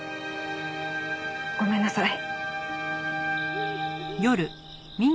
ごめんなさい。